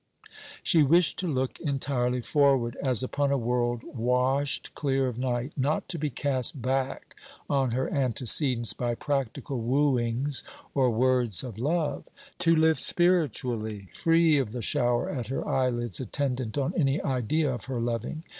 She wished to look entirely forward, as upon a world washed clear of night, not to be cast back on her antecedents by practical wooings or words of love; to live spiritually; free of the shower at her eyelids attendant on any idea of her loving.